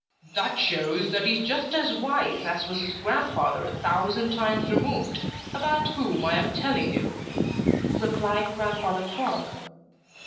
"That shows that he is just as wise as was his grandfather a thousand times removed, about whom I am telling you," replied Grandfather Frog.